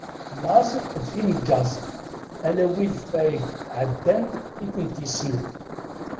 Laẓ d tineggaẓ, ala wid fayeg εeddant i tent-yessenen.